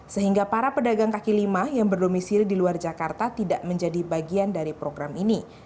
sehingga para pedagang kaki lima yang berdomisili di luar jakarta tidak menjadi bagian dari program ini